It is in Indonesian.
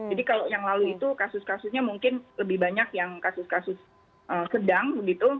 jadi kalau yang lalu itu kasus kasusnya mungkin lebih banyak yang kasus kasus sedang begitu